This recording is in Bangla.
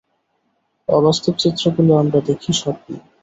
অবাস্তব চিত্রগুলো আমরা দেখি স্বপ্ন।